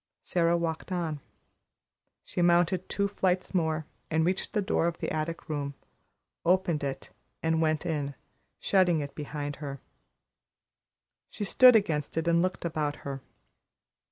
Sara walked on. She mounted two flights more, and reached the door of the attic room, opened it and went in, shutting it behind her. She stood against it and looked about her.